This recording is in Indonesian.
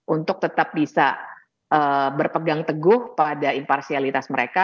untuk tetap bisa berpegang teguh pada imparsialitas mereka